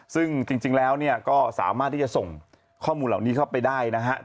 ซึ่งจริงแล้วก็สามารถที่จะส่งข้อมูลเหล่านี้เข้าไปได้นะครับ